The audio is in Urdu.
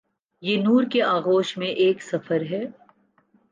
یہ نور کے آغوش میں ایک سفر ہے۔